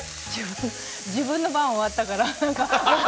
なんか自分の番が終わったから。